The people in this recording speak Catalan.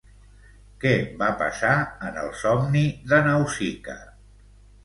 Què va passar en el somni de Nausica?